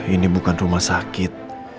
ini bukan rumah sakit